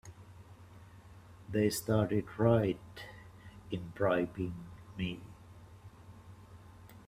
They started right in bribing me!